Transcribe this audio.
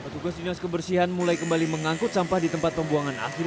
petugas dinas kebersihan mulai kembali mengangkut sampah di tempat pembuangan akhir